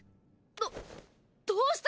どどうした！？